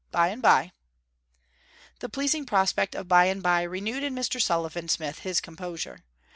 By and by.' The pleasing prospect of by and by renewed in Mr. Sullivan Smith his composure.